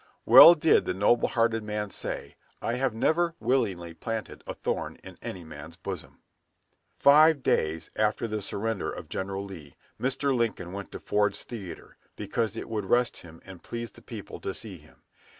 Well did the noble hearted man say, "I have never willingly planted a thorn in any man's bosom." Five days after the surrender of General Lee, Mr. Lincoln went to Ford's Theatre, because it would rest him and please the people to see him.